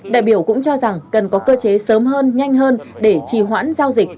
đại biểu cũng cho rằng cần có cơ chế sớm hơn nhanh hơn để trì hoãn giao dịch